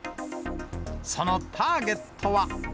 そのターゲットは。